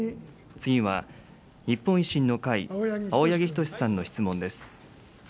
次は日本維新の会、青柳仁士さんの質問です。